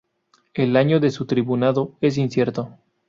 El año de su tribunado es incierto.